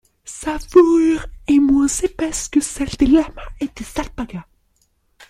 Sa fourrure est moins épaisse que celles des lamas et des alpagas.